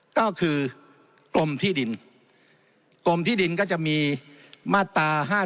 ก็คือกรมที่ดินกรมที่ดินก็จะมีมาตรา๕๗